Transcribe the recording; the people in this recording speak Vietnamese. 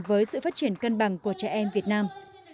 với sự phát triển cân bằng của trẻ em việt nam